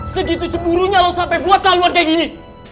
segitu cemburunya lo sampai buat laluan kayak gini